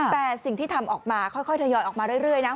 แต่สิ่งที่ทำออกมาค่อยทยอยออกมาเรื่อยนะ